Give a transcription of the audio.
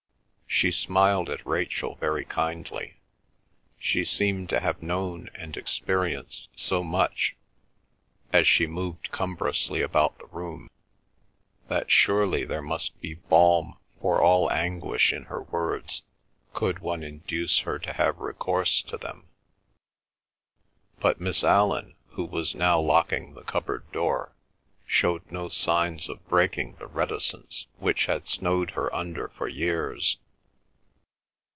She smiled at Rachel very kindly. She seemed to have known and experienced so much, as she moved cumbrously about the room, that surely there must be balm for all anguish in her words, could one induce her to have recourse to them. But Miss Allan, who was now locking the cupboard door, showed no signs of breaking the reticence which had snowed her under for years.